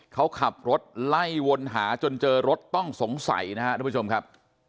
เขาขับรถไล่วนหาจนเจอรถต้องสงสัยนะครับทุกผู้ชมครับ